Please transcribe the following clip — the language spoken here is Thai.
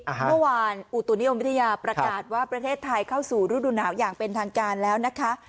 เมื่อวานอุตุนิยมวิทยาประกาศว่าประเทศไทยเข้าสู่ฤดูหนาวอย่างเป็นทางการแล้วนะคะ